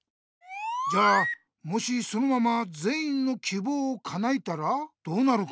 じゃあもしそのままぜん員のきぼうをかなえたらどうなるかな？